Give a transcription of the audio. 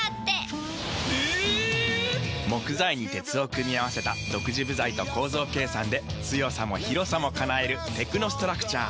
木材に鉄を組み合わせた独自部材と構造計算で強さも広さも叶えるテクノストラクチャー。